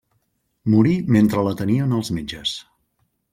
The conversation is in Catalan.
Morí mentre l'atenien els metges.